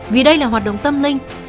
vì đây là hoạt động tâm linh